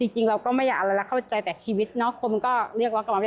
จริงเราก็ไม่อยากอะไรภาพใจแต่ชีวิตน้องคนก็เลือกว่ากันว่า